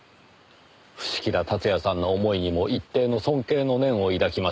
伏木田辰也さんの思いにも一定の尊敬の念を抱きます。